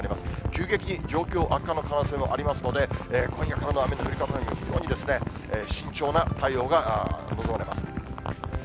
急激に状況悪化の可能性もありますので、今夜からの雨の降り方に非常に慎重な対応が望まれます。